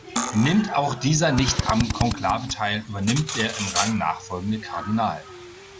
Nimmt auch dieser nicht am Konklave teil, übernimmt der im Rang nachfolgende Kardinal.